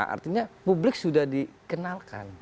artinya publik sudah dikenalkan